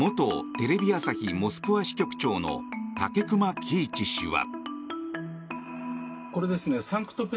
テレビ朝日モスクワ支局長の武隈喜一氏は。